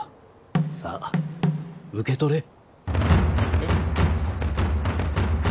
さあ受け取れ。え？